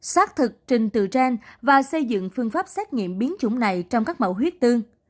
xác thực trình từ gen và xây dựng phương pháp xét nghiệm biến chủng này trong các mẫu huyết tương